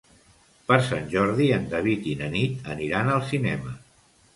Per Sant Jordi en David i na Nit aniran al cinema.